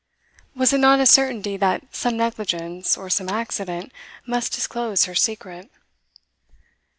Was it not a certainty that some negligence, or some accident, must disclose her secret?